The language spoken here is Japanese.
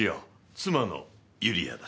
妻のユリアだ。